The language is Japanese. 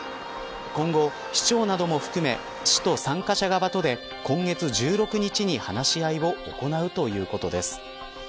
今後、市長なども含め市と参加者側とで今月１６日に話し合いを行うということです。